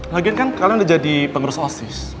lagian kan kalian udah jadi pengurus osis